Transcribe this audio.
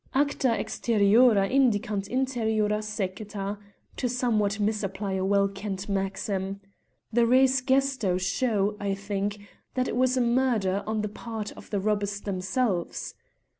"Acta exteriora indicant interiora seceta, to somewhat misapply a well kent maxim. The res gesto show, I think, that it was a murder on the part of the robbers themselves."